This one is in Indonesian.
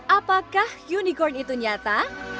apakah unicorn itu nyata